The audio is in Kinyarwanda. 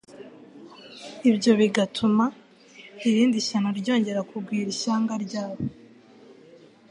ibyo bigatuma irindi shyano ryongera kugwira ishyanga ryabo.